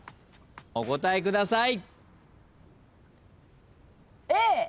お答えください。